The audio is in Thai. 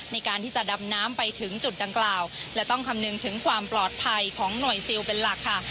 ในการที่จะดำน้ำไปถึงจุดดังกล่าวและต้องคำนึงถึงความปลอดภัยของหน่วยซิลเป็นหลักค่ะ